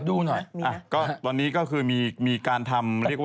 ดูหน่อยมีอ่ะก็ตอนนี้ก็คือมีมีการทำเรียกว่า